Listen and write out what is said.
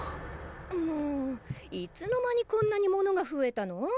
もういつの間にこんなに物が増えたの？